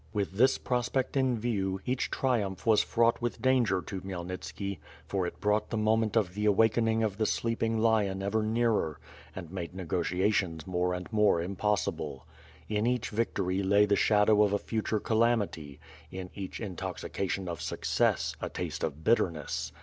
With this prospect in view, each triumph wa^s fraught with daiigei to Khmyelnitski; for it brought the moment of the awakening of the sleeping lion ever nearer, and made negotia tions more and more impossible. In each vctory lay the shadow of a future calamity; in each intoxi ation of success a taste of bitterness.